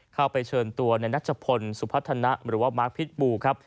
เข้าไปเชิญตัวในนัชพลสุพัฒนะหรือว่ามาร์คพิษบูครับ